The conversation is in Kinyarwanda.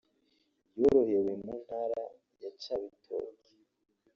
yarohorewe mu Ntara ya Cibitoke